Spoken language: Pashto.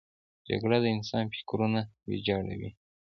جګړه د انسان فکرونه ویجاړوي